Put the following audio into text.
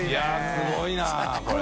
すごいなこれ。